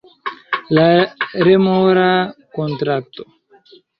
La remora kontrakto